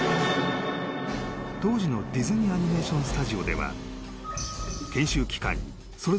［当時のディズニー・アニメーション・スタジオでは］